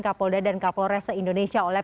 kapolda dan kapolres se indonesia oleh